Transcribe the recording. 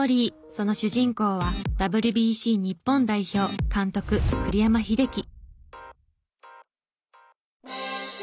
その主人公はＷＢＣ日本代表監督栗山英樹。